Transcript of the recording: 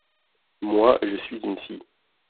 Moi, je suis une fille.